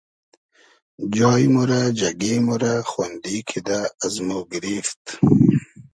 جای مۉ رۂ جئگې مۉ رۂ خۉندی کیدۂ از مۉ گیریفت